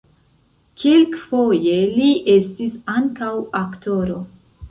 Kelkfoje li estis ankaŭ aktoro.